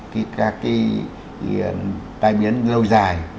cái tai biến lâu dài